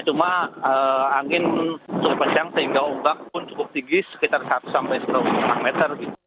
cuma angin cukup panjang sehingga umpamu cukup tinggi sekitar seratus sampai seratus meter